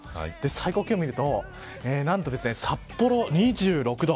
最高気温を見るとなんと札幌は２６度。